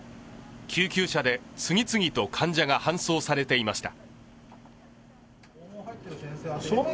救急車で次々と患者が搬送されていました。